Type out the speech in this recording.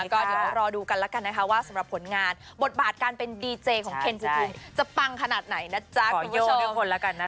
ก็เดี๋ยวรอดูกันแล้วกันนะคะว่าสำหรับผลงานบทบาทการเป็นดีเจของเคนภูมิจะปังขนาดไหนนะจ๊ะคุณผู้ชม